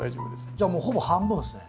じゃあもうほぼ半分ですね。